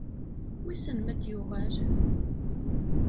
Wissen ma ad d-yuɣal?